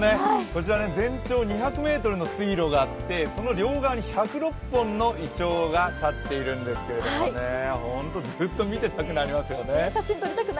こちら全長２００ｍの水路があってその両側に１０６本のいちょうが立っているんですけどね、本当ずっと見ていたくなりますよね。